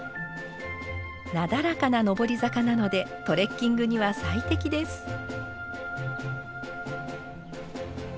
なだらかな上り坂なのでトレッキングには最適です。